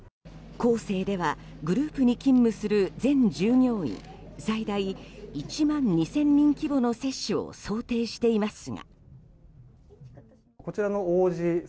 コーセーではグループに勤務する全従業員最大１万２０００人規模の接種を想定していますが。